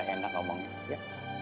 biar enak omongin ya